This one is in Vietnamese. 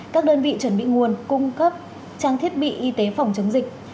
các đơn vị chuẩn bị nguồn cung cấp trang thiết bị y tế phòng chống dịch